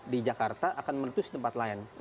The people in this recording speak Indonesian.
di jakarta akan mentus ke tempat lain